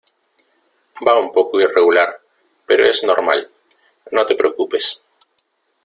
va un poco irregular, pero es normal. no te preocupes .